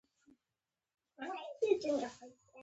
مېوې د افغانستان د شنو سیمو یوه ډېره ښکلې ښکلا ده.